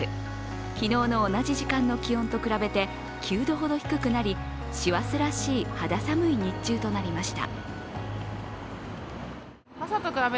昨日の同じ時間の気温に比べて９度ほど低くなり師走らしい肌寒い日中となりました。